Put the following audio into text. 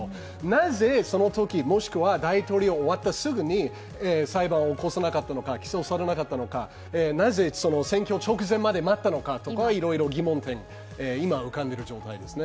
なぜそのとき、もしくは大統領終わってすぐに裁判を起こさなかったのか起訴されなかったのか、なぜ選挙直前まで待ったのかなどいろいろ疑問点、今浮かんでいる状態ですね。